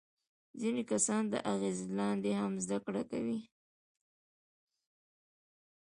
ځینې کسان د اغیز لاندې هم زده کړه کوي.